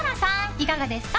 いかがですか？